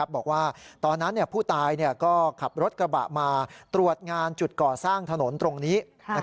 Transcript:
บอกว่าตอนนั้นผู้ตายก็ขับรถกระบะมาตรวจงานจุดก่อสร้างถนนตรงนี้